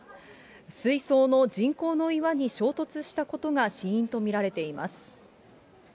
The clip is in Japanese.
水槽の人工の岩に衝突したことが死因と見られています。